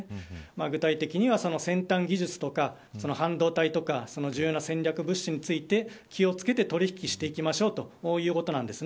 具体的には先端技術とか半導体とか重要な戦略物資について気をつけて取引していきましょうということなんです。